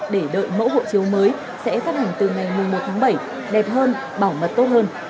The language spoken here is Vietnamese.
để đợi mẫu hộ chiếu mới sẽ phát hành từ ngày một tháng bảy đẹp hơn bảo mật tốt hơn